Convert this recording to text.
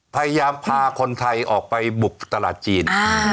พยายามพาคนไทยออกไปบุกตลาดจีน